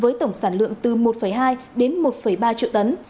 với tổng sản lượng từ một hai đến một ba triệu tấn